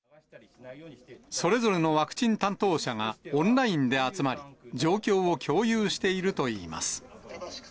それぞれのワクチン担当者がオンラインで集まり、状況を共有しているといいます。